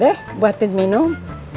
deh buatin minum